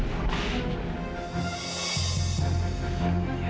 kau ada diingkatnya